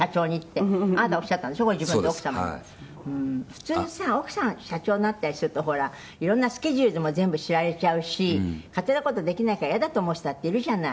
普通さ、奥さん社長になったりするとほら、色んなスケジュールも全部知られちゃうし勝手な事できないから、嫌だと思う人だっているじゃない。